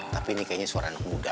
tapi ini kayaknya seorang anak muda